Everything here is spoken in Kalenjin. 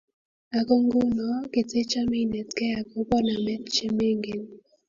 ako nguno ketechame inetgei akobo namet che mengen